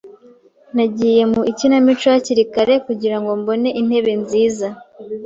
Nagiye mu ikinamico hakiri kare kugira ngo mbone intebe nziza.